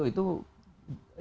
itu itu itu seharusnya